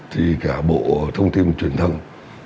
thì cả bộ thông tin truyền thông